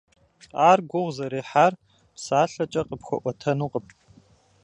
Ар гугъу зэрехьар псалъэкӀэ къыпхуэӀуэтэнукъым.